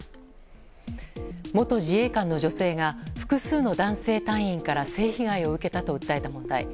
元自衛官の女性が複数の男性隊員から性被害を受けたと訴えた問題。